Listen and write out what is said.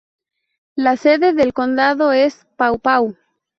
La sede del condado es Paw Paw.